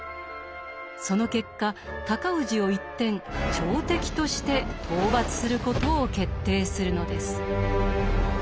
その結果尊氏を一転朝敵として討伐することを決定するのです。